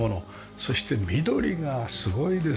そして緑がすごいですよね。